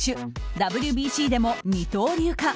ＷＢＣでも二刀流か。